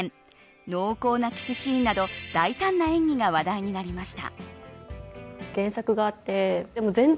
濃厚なキスシーンなど大胆な演技が話題になりました。